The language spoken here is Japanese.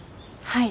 はい。